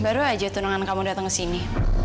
baru aja tunangan kamu datang ke sini